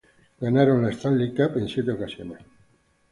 Ganaron la Stanley Cup en siete ocasiones.